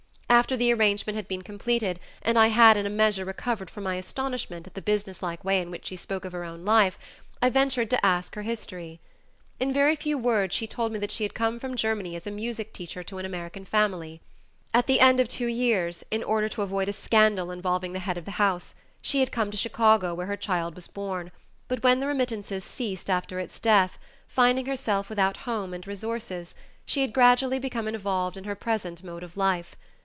After the arrangement had been completed and I had in a measure recovered from my astonishment at the businesslike way in which she spoke of her own life, I ventured to ask her history. In a very few words she told me that she had come from Germany as a music teacher to an American family. At the end of two years, in order to avoid a scandal involving the head of the house, she had come to Chicago where her child was born, but when the remittances ceased after its death, finding herself without home and resources, she had gradually become involved in her present mode of life.